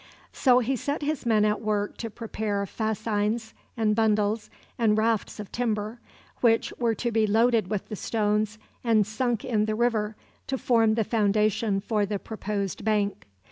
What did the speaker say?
So he set his men at work to prepare fascines, and bundles, and rafts of timber, which were to be loaded with the stones and sunk in the river to form the foundation for the proposed bank.